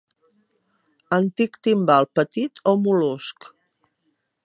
Antic timbal petit o mol·lusc.